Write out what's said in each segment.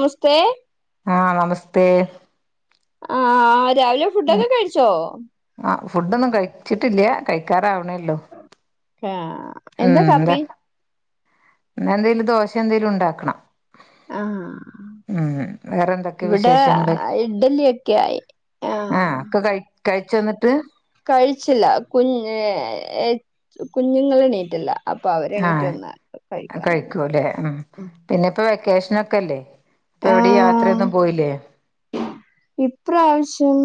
നമസ്തേ ആഹ് നമസ്തേ ആഹ് രാവിലെ ഫുഡൊക്കെ കഴിച്ചോ ആഹ് ഫുഡൊന്നും കഴിച്ചിട്ടില്ല കഴിക്കാറാവണേള്ളു ആഹ് ഉം അതെ പിന്നന്തേലും ദോശ എന്തെലും ഉണ്ടാക്കണം ആഹ് ഉം വേറെ എന്തൊക്കെ ഇവിടെ വിശേഷങ്ങള് ഇഡ്ലിയൊക്കെയായി ആഹ് ഒക്കെ കഴി കഴിച്ചോ എന്നിട്ട് കഴിച്ചില്ല കുഞ് കുഞ്ഞുങ്ങളെണീറ്റില്ല അപ്പൊ അവരെ എണീറ്റ് ആഹ് വന്ന കഴിക്ക. കഴിക്കൂല്ലേ ഉം പിന്നെ ഇപ്പ വെക്കേഷൻ ഒക്കെല്ലേ ഇപ്പൊ ആ എവിടെ യാത്രയൊന്നും പോയില്ലേ. ഇപ്രാവശ്യം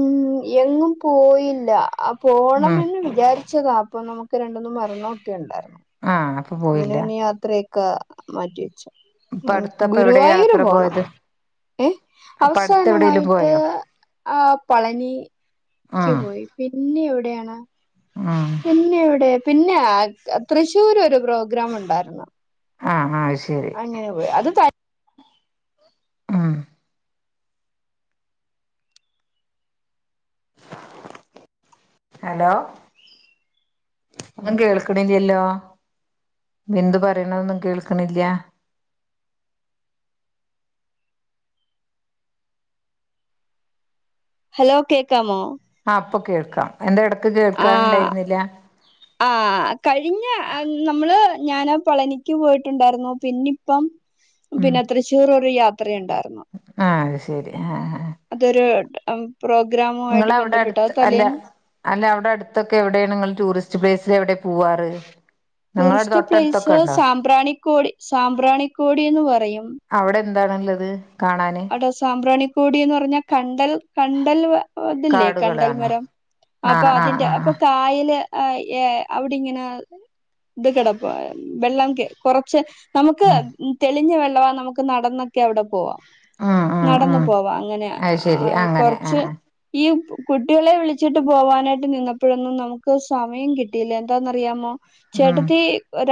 എങ്ങും പോയില്ല. ആ ഉം പോണംന്നു വിചാരിച്ചതാ അപ്പൊ നമുക്ക് രണ്ടുമൂന്നു മരണം ഉണ്ടായിരുന്നു. ആഹ. അങ്ങനെ ഒന്ന യാത്രയൊക്കെ മാറ്റിവെച്ചു. ഇപ്പ അടുത്തപ്പ എവിടെയാ ഗുരുവായൂര് യാത്ര പോണം. പോയത് ഏ അപ്പ അടുത്ത് എവിടേലും അവസാനമായിട്ട്. പോയോ ആ പളനി ക്ക് പോയി. പിന്നെ എവിടെയാണ് ആഹ. പിന്നെ ഇവിടെ. പിന്നെ തൃശ്ശൂര് ഒരു പ്രോഗ്രാം ഉണ്ടായിരുന്നു. ആഹ ആഹ് ശരി അങ്ങനെ പോയി അത്. ഉം. ഹലോ. ഒന്നും കേൾക്കണില്ലല്ലോ. എന്ത് പറയണൊന്നും കേൾക്കണില്ല. ഹലോ കേക്കാമോ. ആ ഇപ്പൊ കേൾക്കാം എന്ത ഇടക്ക് ആ കേൾക്കാനണ്ടായിരുന്നില്ല. ആ. കഴിഞ്ഞ നമ്മള് ഞാൻ പളനിക്ക് പോയിട്ടുണ്ടായിരുന്നു. പിന്നെ ഇപ്പം പിന്നെ തൃശ്ശൂർ ഒരു യാത്രയുണ്ടായിരുന്നു. ആഹ അത് ശരി ആഹ. അതൊരു. പ്രോഗ്രാം. നിങ്ങള അവിടെ അടുത്ത് അല്ല അല്ല അവിടെ അടുത്തൊക്കെ എവിടെയാണ് നിങ്ങൾ ടൂറിസ്റ്റ്. ടൂറിസ്റ്റ് പ്ലേസൽ എവിടെയാ പോവാറ്. നിങ്ങളടെ ടൂറിസ്റ്റ് തൊട്ടടുത്തൊക്കെ പ്ലേസ് ഉണ്ടോ സാമ്പ്രാണിക്കോടി സാമ്പ്രാണിക്കോടി എന്ന് പറയും. അവടെ എന്താണുള്ളത് കാണാന്. എടാ സാംബ്രാണിക്കൂടി എന്ന് പറഞ്ഞാൽ കണ്ടൽ. കണ്ടൽ അതില്ലേ കണ്ടൽ കാടുകളാണോ മരം ആ അപ്പൊ ആ അതിന്റെ ആ അപ്പൊ ആ കായല്. ആ ഏ അവിടിങ്ങനെ ഇത് കിടപ്പ വെള്ളം കൊറച്ച്. നമുക്ക് ഉം തെളിഞ്ഞ വെള്ളവാ. നമുക്ക് നടന്നൊക്കെ അവിടെ പോവാം. ഉം ഉം നടന്നു ഉം പോവാ അങ്ങനെ അത് ശരി അങ്ങനെ ആ കൊറച്ച്. ആ ഈ കുട്ടികളെ വിളിച്ചിട്ട് പോവാനായിട്ട് നിന്നപ്പോഴൊന്നും നമുക്ക് സമയം കിട്ടിയില്ല എന്താന്ന്റിയാമോ. ഉം ചേട്ടത്തി.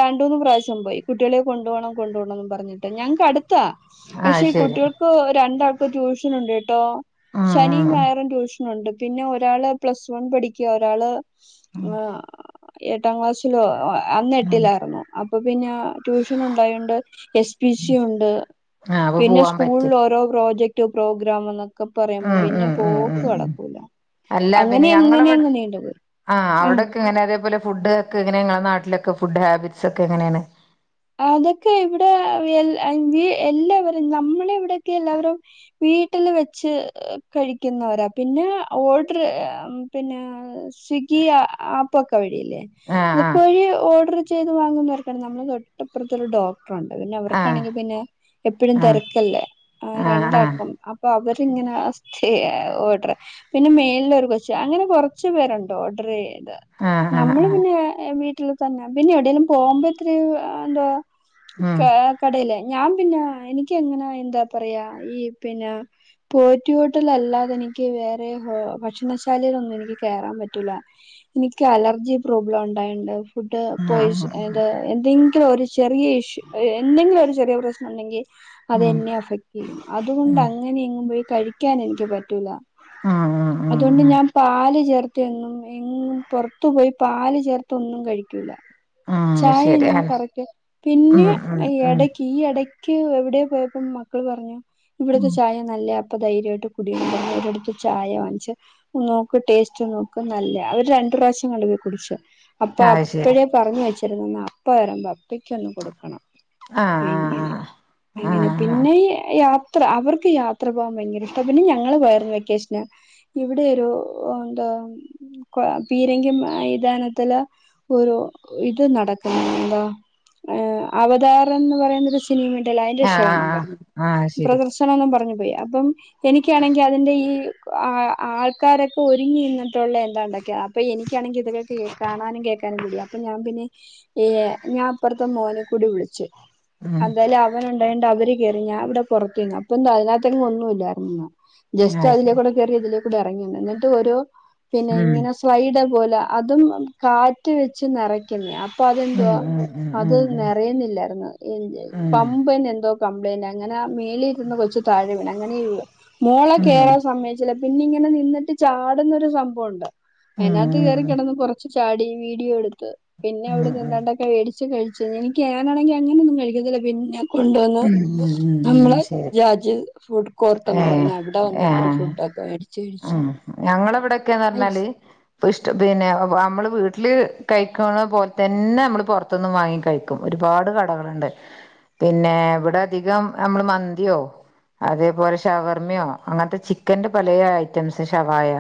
രണ്ട് മൂന്ന് പ്രാവശ്യം പോയി കുട്ടികളെ കൊണ്ടപോണം കൊണ്ടപോണം എന്ന് പറഞ്ഞിട്ട് ഞങ്ങക്ക് അടുത്താ ആ പക്ഷെ ഈ ശരി കുട്ടികൾക്ക് രണ്ടാൾക്ക് ട്യൂഷൻ ഉണ്ട് കേട്ടോ. ഉം ശനിയും ഉം ഞായറും ട്യൂഷൻ. ണ്ട് പിന്നെ ഒരാള് പ്ലസ് വൺ പഠിക്കുക. ഒരാള് ആ എട്ടാം ക്ലാസിലോ. ഉം അന്നെട്ടിലായിരുന്നു. അപ്പൊ പിന്നെ ട്യൂഷൻ ഉണ്ടായോണ്ട് എസ് പി സി ഉണ്ട്. ആഹ് അപ്പൊ പൂവാം ഫ ഓരോ പ്രോജക്റ്റ് പ്രോഗ്രാം എന്നൊക്കെ പറയുമ്പോ ഉം പിന്നെ ഉം ഉം പോക്ക് ഉം ഉം നടക്കൂല. അല്ല അങ്ങനെ പിന്നെ എങ്ങനെ ഞങ്ങളവിടെ. അങ്ങ് നീണ്ടുപോയി ആ അവിടക്കെ ഇങ്ങനെ അതേപോലെ ഫുഡ് ഒക്കെങ്ങനെങ്ങള നാട്ടിലൊ ഫുഡ് ഹാബിറ്റ്സ് ഒക്കെ എങ്ങനെയാണ് അതൊക്കെ ഇവിടെ എല്ലാ ആൻറി എല്ലാവരും നമ്മളെ ഇവിടെക്കെ എല്ലാവരും. വീട്ടിൽ വച്ച്‌ കഴിക്കുന്നവരാ പിന്നെ ഓഡർ പിന്നെ. സ്വിഗ്ഗി ആപ്പൊക്ക വഴില്ലേ. ആ ആ അതൊക്കെ വഴി ഓർഡർ ചെയ്ത് വാങ്ങുന്നവർക്കാണ് നമ്മള് തൊട്ടപ്പുറത്ത ഒരു ഡോ. ക്ടർണ്ട് പിന്നെ ആ അവർക്കാണെങ്കി പിന്നെ എപ്പഴും ആ തിരക്കല്ലേ. ആ രണ്ടാക്കും അപ്പൊ അവരിങ്ങനെ ഓഡർ. പിന്നെ മേളിലൊരു കൊച്ച അങ്ങനെ കുറച്ചു പേരുണ്ട് ഓർഡർ ചെയ്ത്. ആ ആ ആ നമ്മള് ആ പിന്നെ വീട്ടില് തന്നെ പിന്നെ എവിടെങ്കലും പോകുമ്പോ ഇത്ര എന്താ. ഉം ക കടയിലേ ഞാൻ പിന്ന എനിക്ക് എങ്ങനെ എന്താ പറയാ ഈ പിന്ന പോറ്റിഹോട്ടലല്ലാതെനിക്ക് വേറെ ഹോ ഭക്ഷണശാലയിലൊന്നു എനിക്ക് കേറാൻ പറ്റൂല്ല എനിക്ക് അലർജി പ്രോബ്ലം ഒണ്ടായോണ്ട് ഫുഡ് ഉം പോയിസ് ഉം അത് എന്തെങ്കിലോ ഒരു ചെറിയ ഇഷ്യൂ എന്തെങ്കിലു ഒരു ചെറിയ പ്രശ്നം ഒണ്ടെങ്കിൽ ഉം ഉം അതെന്നെ അഫക്ട്യ്യും അതുകൊണ്ട് അങ്ങനെയ എങ്ങും പോയി കഴിക്കാൻ എനിക്ക് പറ്റൂല ഉം ഉം അതുകൊണ്ട് ഉം ഞാൻ പാല് ചേർത്തിയ ഒന്നും എങ്ങും പോർത്തു പോയി പാല് ചേർത്തൊന്നും കഴിക്കൂല ആഹ് ചായ ശെരിയാ ഞാൻ കറക്റ്റ് പിന്നെ യെടക്ക് ഈ യെടക്ക് എവിടെയോ പോയപ്പോ മക്കള് പറഞ്ഞു ഇവിടത്തെ ഉം ചായ നല്ല അപ്പ ധൈര്യയിട്ട് കുടിന്ന് പർഞ്ഞ് അവരടുത്ത് ചായ വാച്ചേ - നോക്ക് ടേസ്റ്റ് നോക്ക് നല്ല്യ അവര് രണ്ട് പ്രാശങ്ങണ്ട് പോയി കുടിച്ചു അപ്പ അത് ശരി അപ്പഴേ പറഞ്ഞ് വെച്ചിരിന്നാന്ന അപ്പ വരുമ്പോ അപ്പയ്ക്കൊന്ന് കൊടുക്കണം ആ ആ ആ അങ്ങിനെ ആ അങ്ങനെ പിന്നെയ്യ് യാത്ര അവർക്ക് യാത്ര പോകാൻ ഭയങ്കര ഇഷ്ട പിന്നെ ഞങ്ങള് പോയരാണ് വെക്കേഷന് ഇവിടെരു ആ എന്താ കൊ പീരങ്കി മൈതാനത്തില ഒരു ഇത് നട- പിന്നെ എന്താ എ അവതാരം എന്ന് പറയന്നാരു- സിനിമിണ്ടല്ല് അയിന്റെ ആ ആ ഷോയെന്ന് പറഞ്ഞ് ആ അത് ശരി പ്രദർശനനൊന്ന് പറഞ്ഞു പോയി അപ്പം എനിക്കാണെങ്കി അതിന്റെ ഈ ആ ആൾക്കാരൊക്കെ ഒരുങ്ങി നിന്നിട്ടുള്ള എന്താണ്ടാക്കെ അപ്പ എനിക്കാണെങ്കിൽ ഇതൊക്കെ കേ കാണാനും കേൾക്കാനും കൂടിയ അപ്പ ഞാൻ പിന്നെ ഏഹ് ഞാൻ അപ്പർത്തെ മോനെ കൂടി വിളിച്ചു ഉം അന്തായാലും അവ അവന് ഒണ്ടായണ്ട് അവര് കേറി. ഞാൻ ഇവിടെ പൊർത്ത് നിന്ന്. അപ്പ എന്ത അതിനകത്തെങ്ങും ഒന്നു ഇല്ലാരുന്നു. ജസ്റ്റ് അത് ശരി അതിലേക്കൂടെ കേറി ഇതിലേക്കൂടെ ഇറങ്ങിന്ന് എന്നിട്ടും ഓരോ പിന്നെ ഉം ഇങ്ങനെ സ്‌ വൈഡ പോലെ അതും കാറ്റ് വെച്ച് നേറക്കുന്നെയാ. അ അപ്പ ഉം അതെന്തുവ ഉം അത് ഉം നെറയന്നില്ലാര്ന്നെന്ന്. എന്തയ്യി ഉം പമ്പ്നെ എന്തോ കംപ്ലൈയിന്റ് അങ്ങനെ ആ മേളിരുന്ന കൊച്ചു താഴെ വീണ് അങ്ങനെയോള്ള മോളെ ഉം ഉം ഉം കേറാൻ സമയച്ചില്ല. പിന്നെ ഇങ്ങനെ നിന്നിട്ട് ചാടുന്നൊരു സംഭവോണ്ട്. ഉം അതിനകത്ത് കേറി കിടന്ന് കൊറച്ച് ചാടി വീഡിയോ എടുത്ത് പിന്നെ ഉം ഉം അവിടെന്ന് ഉം എന്താണ്ടൊക്കെ വേടിച്ച് കഴിച്ചു. എനിക്ക് ഞാനാണങ്കി അങ്ങനെയൊന്നും കഴിക്കത്തില്ല പിന്നെ- കൊണ്ടുവന്നു ഉം ഉം ഉം നമ്മളെ ശരി രാജി ഫുഡ് കോർട്ട്ന്ന് ഏഹ് പറഞ്ഞ് അവിടെ വന്ന് ഇത്തിരി ഫുഡൊക്കെ [unintelligible] ആഹ് ഞങ്ങടിവിടെക്കെന്ന് ഐസ് പർഞ്ഞാല് പൂഷ്ഡ് പിന്നെ നമ്മള് വീട്ടില് കഴിക്കണ പോലെ തന്നെ നമ്മള് പോർത്തന്ന് വാങ്ങി കഴിക്കും. ക്കും. ഒരുപാട് കടകള്ണ്ട്. പിന്നെ ഇവിടെ അധികം നമ്മള് മന്തിയോ അതേപോലെ ഷവർമ്മയോ അങ്ങനത്തെ ചിക്കന്റെ പലേ ഐറ്റംസ് ഷവായ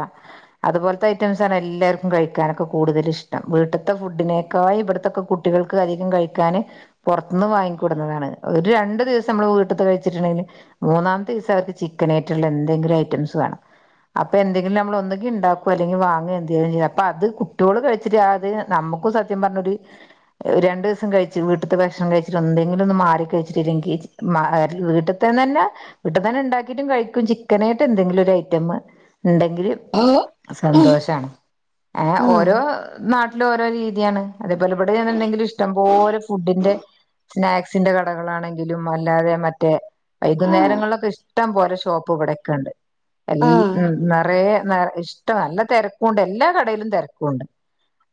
അതുപോലത്തെ ഐറ്റംസാണ് എല്ലാർക്കും കഴിക്കാനൊക്കെ കൂടുതല് ഇഷ്ടം. വീട്ടത്തെ ഫുഡിനേക്കായും ഇവിടത്തെക്കെ കുട്ടി കൾക്ക് അധികം കഴിക്കാന് പൊർത്തന്ന് വാങ്ങിക്കൂടുന്നതാണ് ഒരു രണ്ടു ദിവസം നമ്മള് വീട്ടത്ത് കഴിച്ചിട്ട്ണ്ടെങ്കില് മൂന്നാമത്തെ ദിവസവർക്ക് ചിക്കനായിട്ടുള്ള എന്തെങ്കിലും ഐറ്റംസ് വേണം. അപ്പ എന്തെങ്കിലും നമ്മളൊന്നെങ്കി ഇണ്ടാക്കോ അല്ലെങ്കി വാങ്ങോ എന്തെങ്കിലും ചെയ്യും. അപ്പ അത് കുട്ട്യോള് കഴിച്ചിട്ട് അത് നമ്മക്കു സ ത്യം പർഞ്ഞൊരു രണ്ടുസം കഴിച്ചു വീട്ടത്ത ഭക്ഷണം കഴിച്ചിട്ട് എന്തെങ്കിലൊന്ന് മാറി കഴിച്ചിട്ടില്ലെങ്കി- മാ ര് വീട്ട്ത്തെന്നന്നെ വീട്ടിൽ തന്നെ ഉണ്ടാക്കിട്ടും കഴിക്കും ചിക്കനായിട്ട് എന്തെങ്കിലും ഒരു ഐറ്റം മ ഇണ്ടെങ്കില് ഓ സന്തോഷാണ്. അ ആ ഓരോ നാട്ട്ല് ഓരോ രീതിയാണ് അതേപോലെ ഇവിടെന്നുണ്ടെങ്കിൽ ഇഷ്ടംപോലെ ഫുഡിന്റെ- സ്നാക്സിന്റെ കടകളാണെങ്കിലും അല്ലാതെ മറ്റേ ആ വൈകുന്നേരങ്ങളിലൊക്കെ ഇഷ്ടം പോലെ ഷോപ്പ് ഇവിടെക്കെണ്ട്. ആ എല്ലാ നെറയെ നേറ ഇഷ്ടാ നല്ല തിരക്കുണ്ട്. എല്ലാ കടയിലും തിരക്കുണ്ട്.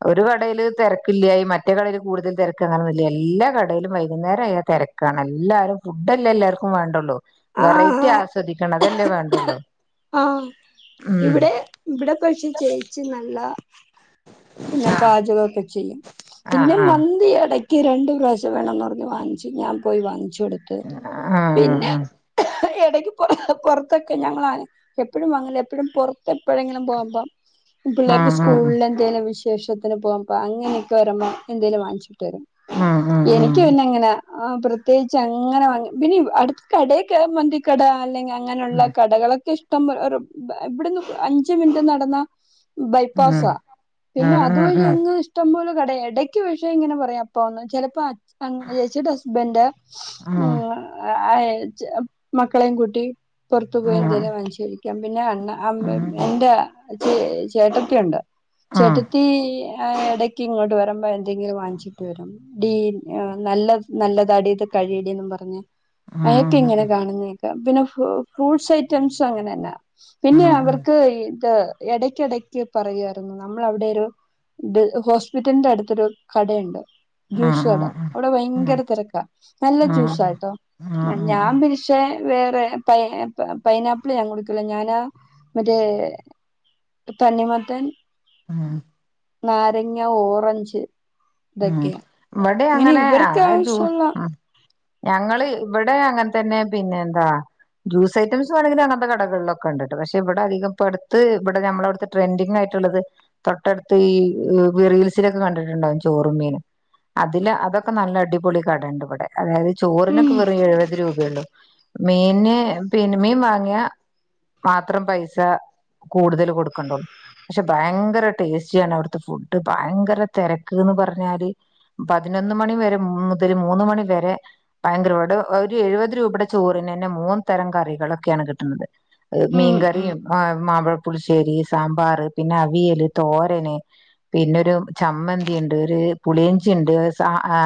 ഒരു കടയില് തെരക്കില്ലായി മറ്റേ കടയില് കൂടുതൽ തെരക്ക് അങ്ങനൊന്നില്ല എല്ലാ കടയിലും വൈകുന്നേരം ആയാ തെര- ക്കാണ് എല്ലാരും ഫുഡല്ലേ എല്ലാർക്കും വേണ്ടുള്ളൂ വെറൈറ്റി ആസ്വദിക്കണം അതല്ലേ വേണ്ടുള്ളൂ ആഹ്. ഉം ഇവിടെ ഇവിടെ പക്ഷെ ചേച്ചി നല്ല പിന്നെ പാചകൊക്കെ ചെയ്യും പിന്നെ ആഹ് മ ന്തി ഇടയ്ക്ക് രണ്ട് പ്രാവിശ്യം വേണമെന്ന് പറഞ്ഞ് വാങ്ങിച്. ഞാൻ പോയി വാങ്ങിച്ചു കൊടു ആഹ് എടക്ക് പൊറത്തൊക്കെ ഞങ്ങളാണ്. എപ്പഴും അങ്ങനെ എപ്പഴും പൊറത്ത് എപ്പഴെങ്കിലും പോകുമ്പം ആഹ് പിള്ളേർക്ക് ആഹ് സ്കൂളില് എന്തേലും വിശേഷത്തിന് പോകുമ്പ അങ്ങനൊക്കെ വരുമ്പ എന്തേലും വാങ്ങിച്ചു. ആഹ് ആഹ് ആഹ് എനിക്ക് പിന്നങ്ങനെ പ്രത്യേകിച്ച് അങ്ങനെ വാങ്ങി പിന്നെ അടുത്ത് കടയൊക്കെ മന്തിക്കട അല്ലെങ്കിൽ അങ്ങനെയുള്ള കടകളൊക്കെ ഇഷ്ടം ഇഷ്ടംപോലെ ഒരു ഇവിടുന്ന് അഞ്ചു മിനിറ്റ് നടന്നാ. ബൈപ്പാസാ ആഹ് ആഹ് ആഹ് ആഹ് ആഹ് പിന്നെ ആഹ് അതുവഴി അങ്ങ്. ഇഷ്ടം പോലെ കടയാ. എടയ്ക്ക് പക്ഷേ ഇങ്ങനെ പറയാ അപ്പ വന്ന് ചിലപ്പ അങ്ങ് ചേച്ചിയുടെ ഹസ്ബൻഡ് ഉം [unintelligible] മക്കളെയും കൂട്ടി പൊറത്തു പോയി എന്തേലും വാങ്ങിച്ചു കഴിക്കാം പിന്നെയാണ് ആഹ് ആഹ് ആഹ് അമ്മേം ആഹ് ആഹ് എന്റെ ചേ ചേട്ടത്തി ഒണ്ട്. ചേട്ടത്തീ ആഹ് എടക്ക് ഇങ്ങോട്ട് വരുമ്പ എന്തെങ്കിലും വാങ്ങിച്ചിട്ട് വരും. ഡീ നല്ല നല്ലതാടിത് കഴിയെടിന്നു പറഞ്ഞ്. തിന്ന്ണെ കാണുന്നേക്കാം പിന്നെ ഫ്രൂഡ് ഫ്രൂഡ്സൈറ്റംസങ്ങനെയല്ല പിന്നെയവർ ക്ക് ഇത് എടക്കെടക്ക് പറയുവായിരുന്നു. നമ്മളവിടെയൊരു ഇത് ഹോസ്പിറ്റലിന്റെ അടുത്തൊരു കടയുണ്ട്. ജ്യൂസ് ആഹ് ആഹ് കടാ ആഹ് അവിടെ ആഹ് വയങ്കര തെരക്കാ നല്ല ആഹ് ജ്യൂസാട്ടോ ആഹ് ആഹ് ഞാൻ പക്ഷേ വേറെ പൈ പൈനാപ്പിള് ഞാൻ കുടിക്കൂല ഞാനാ മറ്റേ തണ്ണിമത്തൻ ആഹ് നാരങ്ങ, ഓറഞ്ച്. ഉം ഇതൊക്കെയാ ഇങ്ങനെ ഇബടെയങ്ങനെ ആ ഇവർക്ക് ജൂ ആവശ്യമുള്ള ഞങ്ങള് ഇബടെങ്ങൻത്തന്നെ പിന്നെന്താ. ജൂസൈറ്റംസ് വേണങ്കി അങ്ങത്തെ കടകളിലൊക്കെണ്ടട്ടോ പക്ഷെ ഇവിടധികം ഇപ്പടുത്ത് ഇബടെ ഞമ്മളെടു ട്രെൻഡിങ്ങായിട്ടുള്ളത് തൊട്ടടുത്ത് ഈ റീൽസിലൊക്കെ കണ്ടിട്ടുണ്ടാവും. ചോറും, മീനും അതില് അതൊക്കെ നല്ല അടിപൊളി കടണ്ട് വെടെ. അതായത് ഉം ചോറിനൊക്കെ വെറും എഴുപത് രൂപയൊള്ളു. മീന് പിന്നെ മീൻ മാങ്ങിയ മാത്രം പൈസാ കൂടുതല് കൊടുക്കണ്ടൊള്ളൂ. പക്ഷെ ഭയങ്കര ടേസ്റ്റിയാണ് അവിടുത്തെ ഫുഡ് ഭയങ്കര തെര. ക്ക്ന്ന് പറഞ്ഞാല് പതിനൊന്ന് മണി വരെ മുതൽ മൂന്ന് മണി വരെ. ഭയങ്കരവെടെ ഒരു എഴുപത് രൂപയുടെ ചോറിനെന്നെ മൂന്ന് തരം കറികളൊക്കെയാണ് കിട്ട്ണത്. അഹ് മീൻ ഉം ഉം കറിയും ആ. മാമ്പഴപ്പുളിശ്ശേരി, സാമ്പാർ, പിന്നെ അവിയല്, തോരന് പിന്നൊരു ചമ്മന്തി. ണ്ട് ഒരു പുളിയിഞ്ചിയിണ്ട്, സ ആ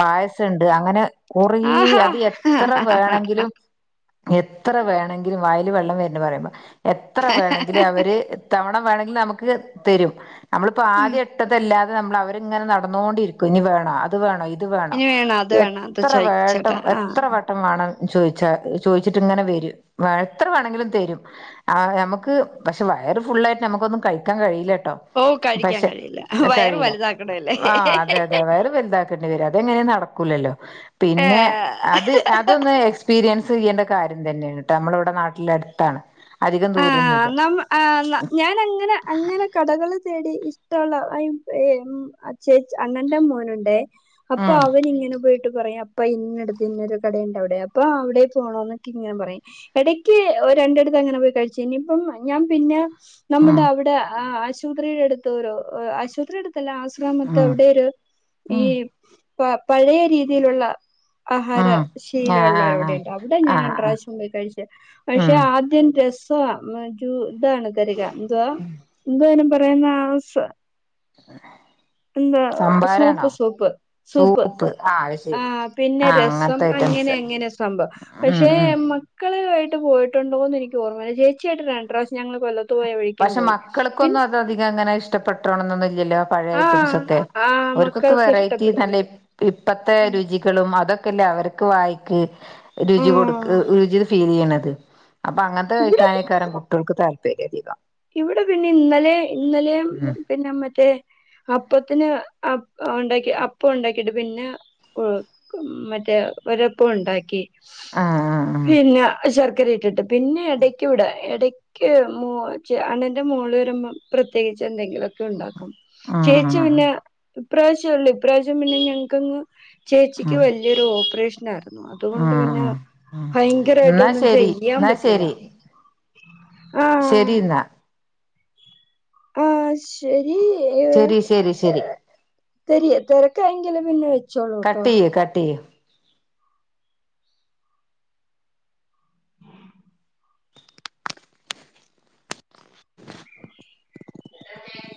പായസണ്ട് അങ്ങനെ. കൊറേ ആഹാ അതെത്ര വേണങ്കിലും. എത്ര വേണെങ്കിലും വായില് വെള്ളം വരണെണ്ട് പറയുമ്പോ എത്ര വേണങ്കിലു അവര് ത്തവണ വേണങ്കിലും നമക്ക് തെരും നമ്മളിപ്പോ ഉം ആദ്യം ഇട്ടതല്ലാത്ത നമ്മള് അവരിങ്ങനെ നടന്നോണ്ടിരിക്കും ഇനി വേണോ അത് വേണോ ഇത് വേണോ ഇനി വേണം അത് വേണം അത് എത്ര വേട്ടം ചോയിച്ചേട്ടാ എത്ര ആഹ് വട്ടം വേണം ഇത്. ചോയ്ച്ചാ ചോയ്ച്ചിട്ട്ങ്ങനെ വെരും എത്ര വേണങ്കിലും തെരും. ആ നമ്മുക്ക് പക്ഷെ വയറ് ഫുള്ളായിട്ട് നമുക്കൊന്നും കഴിക്കാൻ കഴിയില്ലട്ടോ. ഓ കഴിക്കാം കഴിക്കാം കഴിയില ആഹ് അതെ അതെ വയറ് വലുതാ ക്കേണ്ടി വെരും അതെങ്ങനെ നടക്കൂലല്ലോ? പിന്നെ അത്. ഏഹ് അതൊന്ന് എക്സ്പീരിയൻസെയ്യേണ്ട കാര്യം തന്നേണ് ട്ടോ നമ്മള് വടെ നാട്ടിലട്ത്താണ്. അധികം ദൂരൊന്നു അന്നം ഏഹ് ന്നാ ഞാനങ്ങനെ അങ്ങനെ കടകള് തേടി ഇഷ്ടവൊള്ള ചേച്ചി അണ്ണന്റെ മോനുണ്ടേ ഉം അപ്പവനിങ്ങനെ പോയിട്ട് പറയാ അപ്പ ഇന്നടുത്ത് ഇന്നൊരു കടയുണ്ട് അവിടെ അപ്പൊ അവിടെക്ക് പോണോന്നൊക്കെങ്ങനെ പറയും ഇടയ്ക്ക് ഒരു രണ്ടിടുത്ത് അങ്ങനെ പോയി കഴിച്ചു ഇനിയിപ്പം ഞാൻ പിന്നെ ഉം നമ്മുടവിടെ ആ ആശു പത്രിയുടെ അടുത്തരോ ആശുപത്രിടടുത്തല്ല ഉം ആശ്രാമത്തവിടെയൊരു ഈ ഉം പ പഴയ രീതിയിലുള്ള ആഹാര ഉം ആഹ് ആഹ് ആഹ് ശീലവൊള്ളവരവിടെയുണ്ട് അവിടെ ഞാൻ ആഹ് ആഹ് രണ്ട്രശ്യം പോയി കഴിച്ചെ പക്ഷെ ഉം ആദ്യം രസ ഒരു ഇതാണ് തരിക എന്തുവാ എന്തോ അയിന് പറയുന്നെ ആ ഒരു സാധ എന്താ സംഭാരാണോ സൂപ്പ് സൂപ്പ് സൂപ്പ് ആഹ് അത് ശരി ആഹ് പിന്നെ ആഹ് രസം അങ്ങനത്തെ ഐറ്റംസ് അങ്ങനെയങ്ങ ങ്ങനെ സംഭവം ഉം പക്ഷെ ഉം മക്കളുമായിട്ട് പോയിട്ടുണ്ടോന്ന് എനിക്ക് ഓർമ്മ ചേച്ചിയായിട്ട് രണ്ട് പ്രാവശ്യ ഞങ്ങള് കൊല്ലത്ത് പോയആ വീക്കെന് പോയി പിന്നെ പ്പഅധികം അങ്ങനെ ഇഷ്ടപ്പെട്ടോണന്നൊന്നുല്ല്യല്ലോ പഴേ ആ ഐറ്റംസ് ഒക്കെ ആ ഓര്ക്കൊക്കെ മക്കൾക്ക് വെറൈറ്റി ഇഷ്ടപ്പെടില്ല നല്ല ഇപ്പത്തെ ഉം രുചികളും അതൊക്കെല്ലേ അവർക്ക് വായിക്ക് ആ രുചി കൊടുക്ക്‌ രുചി ഫീൽ ചെയ്യണത് അപ്പൊ അങ്ങൻ ത്തെ ഇവിടെ കഴിക്കാനേക്കാരം കുട്ടിയോള്ക്ക് താല്പര്യം അധികം ഇവിടെ പിന്നെ ഇന്നലെ ഇന്നലേം ഉം പിന്നെ മറ്റേ അപ്പത്തിന് അ ഉണ്ടാക്കി അപ്പം ഉണ്ടാക്കിട്ട് പിന്നെ മറ്റേ ഒരപ്പ ഉണ്ടാക്കി ആഹ് പിന്നെ ശർക്കര ഇട്ടിട്ട് പിന്നെ എടയ്ക്ക് ഇവിടെ ഇടയ്ക്ക് മോ ച്ച് അണ്ണൻന്റെ മോള് വരുമ്പം പ്രത്യേകിച്ച് എന്തെങ്കിലൊക്കെ ഉണ്ടാക്കും ആഹ് ചേച്ചി ആഹ് ആഹ് പിന്നെ ആഹ് ഇപ്രാവശ്യഇല്ല ഇപ്രാവശ്യം പിന്നെ ഞങ്ങക്ക്ങ്ങ് ചേച്ചിക്ക് ആഹ് വല്ല്യൊരു ഓപ്പറേഷനായിരുന്നു അതുകൊണ്ട് ഉം പിന്നെ ഉം ഉം ഭയങ്കരമായിട്ട് എന്നാ ഒന്നും ശരി ചെയ്യാൻ എന്നാ പറ്റില്ല ശരി ആഹ് ശരി ഇന്നാ ആഹ് ശരി ഇഹ് ശരി ശരി ശരി തെരി തെരക്കാണെങ്കില് പിന്നെ വെ കട്ടിയ്യ് കട്ടിയ്യ്